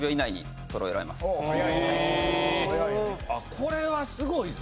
これはすごいぞ。